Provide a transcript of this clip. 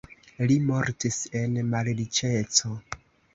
Li mortis en malriĉeco.